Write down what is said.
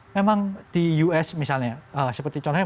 memang di us misalnya seperti contohnya